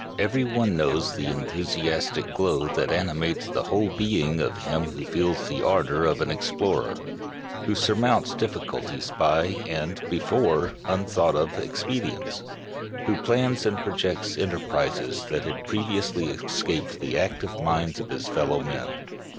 Every one knows the enthusiastic glow that animates the whole being of him who feels the ardor of an explorer, who surmounts difficulties by new and, before, unthought of expedients, who plans and projects enterprises that had previously escaped the active minds of his fellow men.